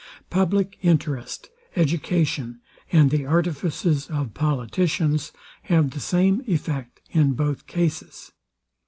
Public interest, education, and the artifices of politicians, have the same effect in both cases.